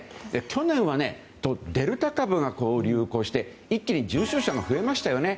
去年はデルタ株が流行して一気に重症者が増えましたよね。